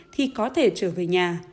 thì có thể trở về nhà